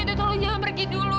ya tolong jangan pergi dulu